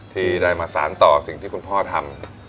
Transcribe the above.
ที่ได้มาสารต่อสิ่งที่คุณพ่อทำ